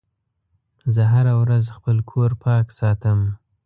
زه هره ورځ خپل کور پاک ساتم.